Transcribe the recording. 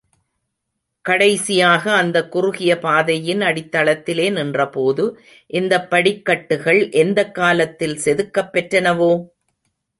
கடைசியாக அந்தக் குறுகிய பாதையின் அடித்தளத்திலே நின்ற போது, இந்தப் படிக்கட்டுகள் எந்தக் காலத்தில் செதுக்கப் பெற்றனவோ?